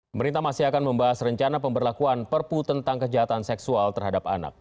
pemerintah masih akan membahas rencana pemberlakuan perpu tentang kejahatan seksual terhadap anak